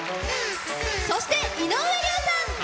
そして井上涼さん。